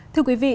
thưa quý vị